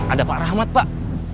ada pak rahmat pak